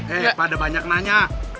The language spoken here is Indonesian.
eh kepada banyak nanya